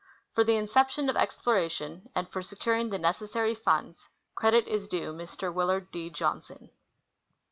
For the incep tion of exploration and for securing the necessary funds, credit is due Mr. Willard D. Johnson.